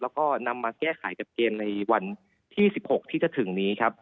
แล้วก็นำมาแก้ไขกับเกมในวันที่๑๖ที่จะถึงนี้ครับ